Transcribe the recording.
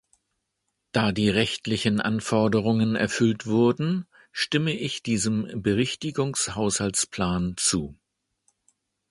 Da die rechtlichen Anforderungen erfüllt wurden, stimme ich diesem Berichtigungshaushaltsplan zu.